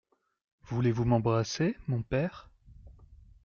Voulez-vous m’embrasser, mon père ?